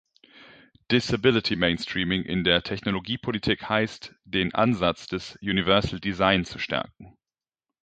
Disability Mainstreaming in der Technologiepolitik heißt, den Ansatz des Universal Design zu stärken.